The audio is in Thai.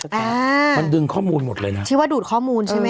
แต่มันดึงข้อมูลหมดเลยนะที่ว่าดูดข้อมูลใช่ไหมค